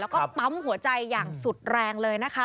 แล้วก็ปั๊มหัวใจอย่างสุดแรงเลยนะคะ